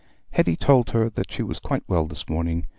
Hetty told her she was quite well this morning.